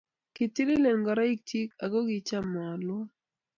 Kitililen ngoroikchi akokicham alua